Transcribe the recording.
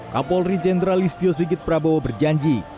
kapolri jenderal listio sigit prabowo berjanji